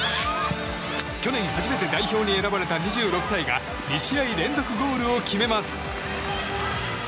去年初めて代表に選ばれた２６歳が２試合連続ゴールを決めます。